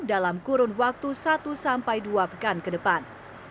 dalam kurun waktu satu sampai dua pekan ke depan